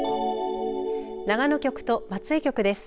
長野局と松江局です。